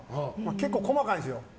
結構、細かいんですよ。